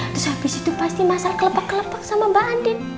terus abis itu pasti mas al kelepak kelepak sama mbak andin